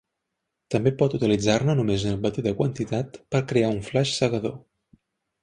També pot utilitzar-ne només una petita quantitat per crear un flash cegador.